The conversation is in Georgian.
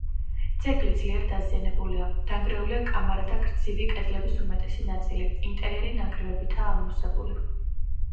ძეგლი ძლიერ დაზიანებულია: დანგრეულია კამარა და გრძივი კედლების უმეტესი ნაწილი, ინტერიერი ნანგრევებითაა ამოვსებული.